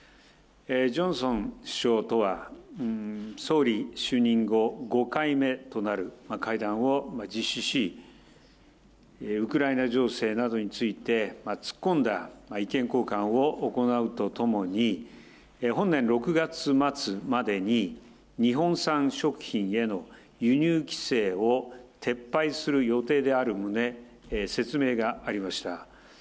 ジョンソン首相とは、総理就任後５回目となる会談を実施し、ウクライナ情勢などについて、突っ込んだ意見交換を行うとともに、本年６月末までに、日本産食品への輸入規制を撤廃する予定である旨、説明がありました。